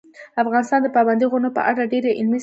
افغانستان د پابندي غرونو په اړه ډېرې علمي څېړنې لري.